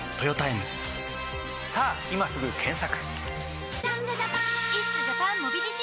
さぁ今すぐ検索！